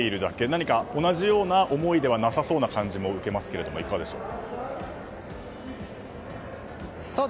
何か同じような思いではなさそうな感じも受けますけれどもいかがでしょう。